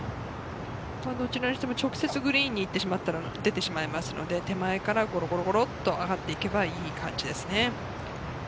どちらにしても、直接グリーンにしてしまいますと出てしまいますから、手前からゴロゴロっと上がっていけばいい感じですね。